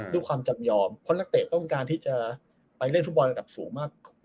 ด้วยความจำยอมคนลักเต่ต้องการที่จะไปเล่นฟุตบอลระดับสูงมากหลักกว่านี้